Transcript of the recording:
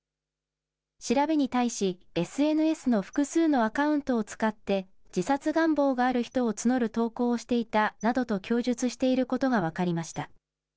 調べに対し、ＳＮＳの複数のアカウントを使って、自殺願望がある人を募る投稿をしていたなどと供述していることが分かりました。